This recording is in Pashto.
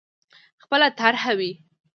خپله طرح وي.